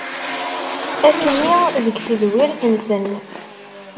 Atni deg tedwirt-nsen.